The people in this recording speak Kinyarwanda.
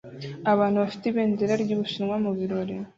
Abantu bafite ibendera ry'Ubushinwa mu birori